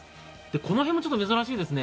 この辺、珍しいですね。